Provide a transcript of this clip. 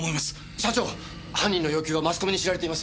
社長犯人の要求はマスコミに知られています。